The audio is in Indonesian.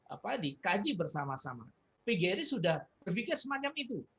apa dikaji bersama sama pgri sudah berpikir semacam itu